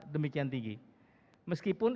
demikian tinggi meskipun